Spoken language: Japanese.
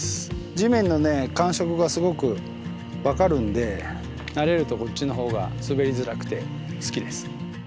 地面のね感触がすごく分かるんで慣れるとこっちの方が滑りづらくて好きです。